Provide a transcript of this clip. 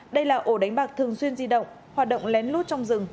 đây là ổ đánh bạc thường xuyên di động hoạt động lén lút trong rừng